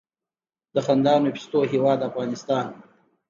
د خندانو پستو هیواد افغانستان.